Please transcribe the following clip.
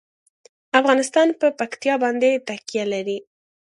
افغانستان په پکتیا باندې تکیه لري.